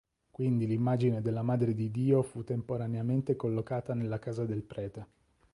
Quindi l'immagine della Madre di Dio fu temporaneamente collocata nella casa del prete.